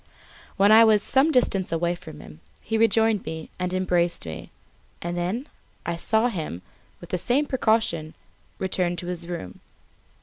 When I was some distance from him, he rejoined me and embraced me; and then I saw him, with the same precaution, return to his room.